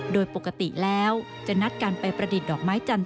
โดยปกติแล้วจะนัดการไปประดิษฐ์ดอกไม้จันท